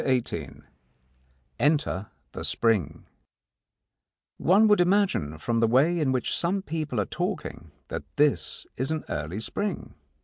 XVIII ENTER THE SPRING One would imagine from the way in which some people are talking that this is an early spring.